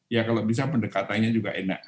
ya kalau bisa pendekatannya juga enak